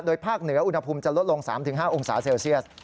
ภาคเหนืออุณหภูมิจะลดลง๓๕องศาเซลเซียส